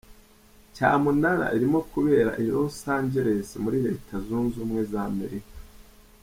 cyamunara irimo kubera i Los Angeles, muri Leta zunze ubumwe za Amerika.